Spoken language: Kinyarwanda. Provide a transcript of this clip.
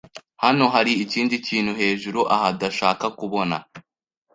Hano hari ikindi kintu hejuru aha ndashaka ko ubona.